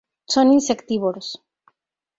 Son insectívoros.